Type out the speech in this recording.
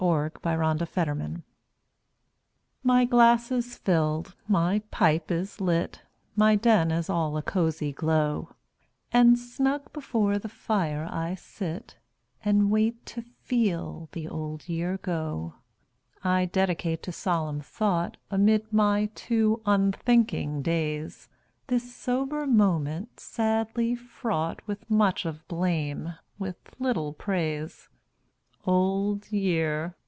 The Passing of the Year My glass is filled, my pipe is lit, My den is all a cosy glow; And snug before the fire I sit, And wait to FEEL the old year go. I dedicate to solemn thought Amid my too unthinking days, This sober moment, sadly fraught With much of blame, with little praise. Old Year!